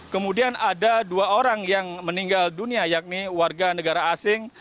kemudian ada dua orang yang meninggal dunia yakni warga negara asing